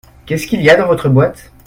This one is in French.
Qu’est-ce qu’il y a dans votre boîte ?